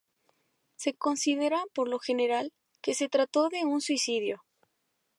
Se considera, por lo general, que se trató de un suicidio.